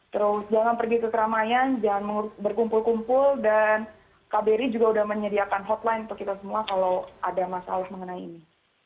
terus jangan pergi ke keramaian jangan berkumpul kumpul dan kbri juga sudah menyediakan hotline untuk kita semua kalau ada masalah mengenai ini